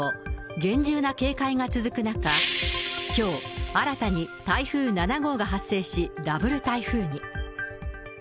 厳重な警戒が続く中、きょう、新たに台風７号が発生し、ダブル台風に。